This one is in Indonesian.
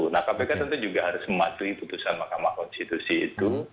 nah kpk tentu juga harus mematuhi putusan mahkamah konstitusi itu